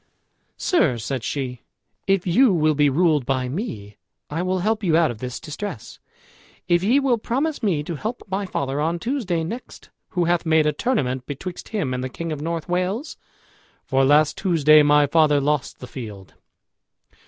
"Sir," said she, "if you will be ruled by me, I will help you out of this distress. If ye will promise me to help my father on Tuesday next, who hath made a tournament betwixt him and the king of North Wales; for last Tuesday my father lost the field."